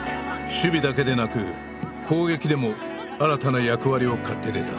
守備だけでなく攻撃でも新たな役割を買って出た。